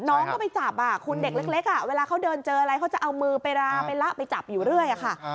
น้องก็ไปจับคุณเด็กเล็กเวลาเขาเดินเจออะไรเขาจะเอามือไปราไปละไปจับอยู่เรื่อยค่ะ